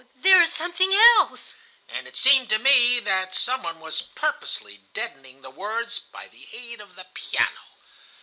There is something else!' And it seemed to me that some one was purposely deadening the words by the aid of the piano.